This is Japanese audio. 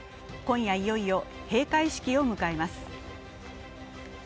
今夜、いよいよ閉会式を迎えます。